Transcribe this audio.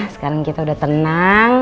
sekarang kita udah tenang